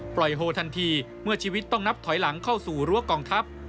โฮทันทีเมื่อชีวิตต้องนับถอยหลังเข้าสู่รั้วกองทัพ